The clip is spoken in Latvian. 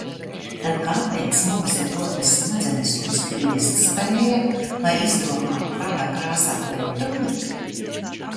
Tad kāpēc mums ir dotas smadzenes un spriestspēja? Lai izdomātu, kādā krāsā kleitu pirkt?